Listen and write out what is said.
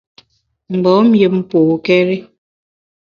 Mgbom-a yùm pokéri.